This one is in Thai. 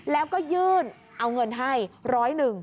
แล้วก็ยื่นเอาเงินให้ร้อยหนึ่ง